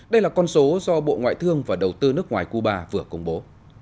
đây là con số do bộ ngoại thương và đầu tư nước ngoài cuba vừa công bố